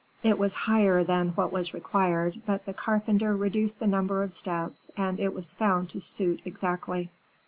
It was higher than what was required, but the carpenter reduced the number of steps, and it was found to suit exactly.